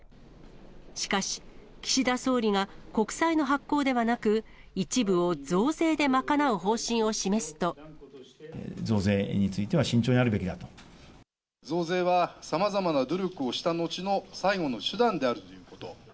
しかし、岸田総理が国債の発行ではなく、増税については慎重であるべ増税はさまざまな努力をした後の最後の手段であるということ。